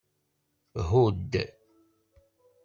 Hudd.